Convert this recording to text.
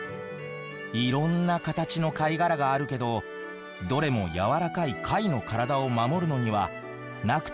いろんな形の貝殻があるけどどれも柔らかい貝の体を守るのにはなくてはならないものなんだよ。